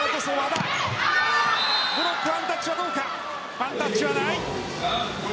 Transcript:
ワンタッチはない。